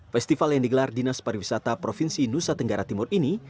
festival yang digelar dinas pariwisata provinsi nusa tenggara timur ini